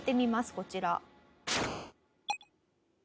こちら。